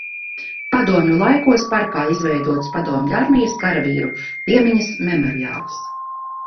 Padomju laikos parkā izveidots Padomju armijas karavīru piemiņas memoriāls.